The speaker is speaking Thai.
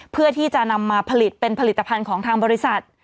เพื่อที่จะนำมาผลิตเป็นผลิตภัณฑ์ของทางบริษัท